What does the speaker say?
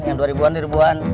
yang dua ribuan dua ribuan